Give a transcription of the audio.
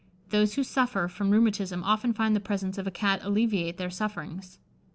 Those who suffer from rheumatism often find the presence of a Cat alleviate their sufferings.